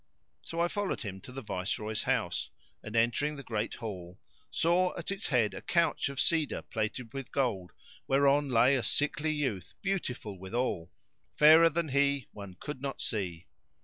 So I followed him to the Viceroy's house and, entering the great hall, saw at its head a couch of cedar plated with gold whereon lay a sickly youth beautiful withal; fairer than he one could not see.